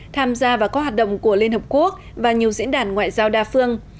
tham gia vào các hoạt động của liên hợp quốc và nhiều diễn đàn ngoại giao đa phương